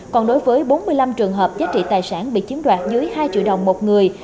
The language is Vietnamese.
còn đối với bốn mươi năm trường hợp giá trị tài sản bị chiếm đoạt dưới hai triệu đồng một người